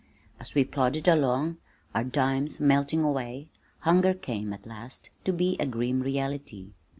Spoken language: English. As we plodded along, our dimes melting away, hunger came, at last, to be a grim reality.